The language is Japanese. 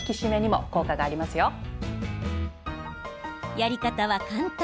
やり方は簡単。